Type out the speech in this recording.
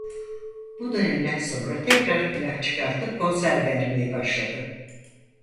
Bu dönemden sonra tekrar plak çıkartıp konser vermeye başladı.